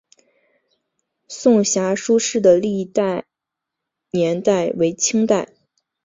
颂遐书室的历史年代为清代。